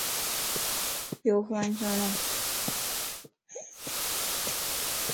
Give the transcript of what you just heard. يو فون سھڻوَ